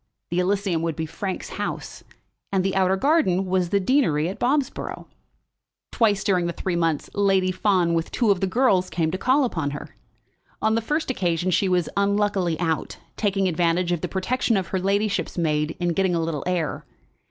The Elysium would be Frank's house; and the outer garden was the deanery at Bobsborough. Twice during the three months Lady Fawn, with two of the girls, came to call upon her. On the first occasion she was unluckily out, taking advantage of the protection of her ladyship's maid in getting a little air.